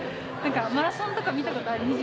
マラソンとか見たことある？